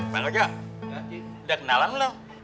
pak kajang udah kenalan lo